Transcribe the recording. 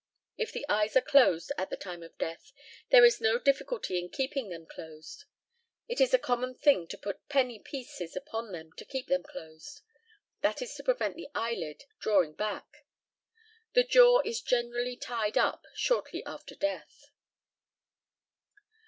If the eyes are closed at the time of death there is no difficulty in keeping them closed. It is a common thing to put penny pieces upon them to keep them closed. That is to prevent the eyelid drawing back. The jaw is generally tied up shortly after death.